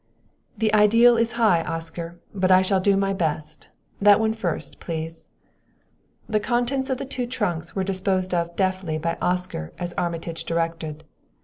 "The ideal is high, Oscar, but I shall do my best. That one first, please." The contents of the two trunks were disposed of deftly by Oscar as Armitage directed.